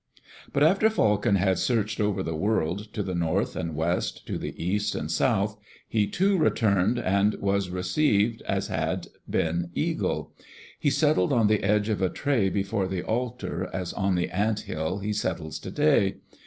But after Falcon had searched over the world, to the north and west, to the east and south, he too returned and was received as had been Eagle. He settled on the edge of a tray before the altar, as on the ant hill he settles today.